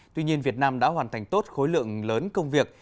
tuy nhiên việt nam đã hoàn thành tốt khối lượng lớn công việc